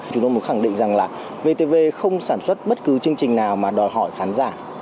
chúng tôi muốn khẳng định rằng là vtv không sản xuất bất cứ chương trình nào mà đòi hỏi khán giả